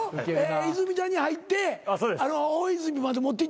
泉ちゃんに入って大泉まで持っていったんやろ？